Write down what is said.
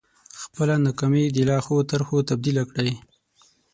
خپله ناکامي د لا ښو طرحو تبديله کړئ.